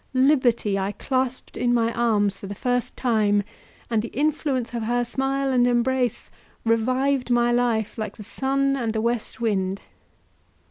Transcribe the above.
Liberty I clasped in my arms for the first time, and the influence of her smile and embrace revived my life like the sun and the west wind.